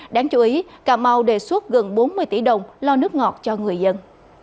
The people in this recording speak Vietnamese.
đáng chú ý cà mau đề xuất gần bốn mươi tỷ đồng lo nước ngọt cho người dân